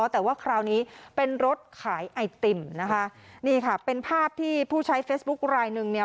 แต่ว่าคราวนี้เป็นรถขายไอติมนะคะนี่ค่ะเป็นภาพที่ผู้ใช้เฟซบุ๊คลายหนึ่งเนี่ย